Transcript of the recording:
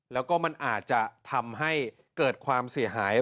แล้วก็มันอาจจะทำให้เกิดความเสียหาย